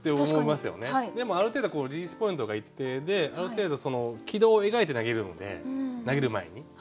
でもある程度リリースポイントが一定である程度軌道を描いて投げるので投げる前に。